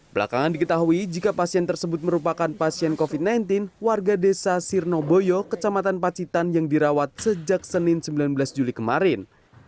belakangan diketahui jika pasien tersebut merupakan pasien covid sembilan belas warga desa sirnoboyo kecamatan pacitan yang dirawat sejak senin sembilan belas juli kemarin